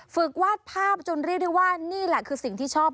วาดภาพจนเรียกได้ว่านี่แหละคือสิ่งที่ชอบ